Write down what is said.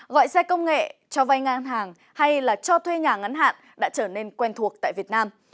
gọi xe công nghệ cho vay ngang hàng hay là cho thuê nhà ngắn hạn đã trở nên quen thuộc tại việt nam